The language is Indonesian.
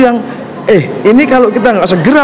yang eh ini kalau kita nggak segera